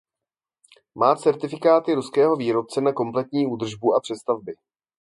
Má certifikáty ruského výrobce na kompletní údržbu a přestavby.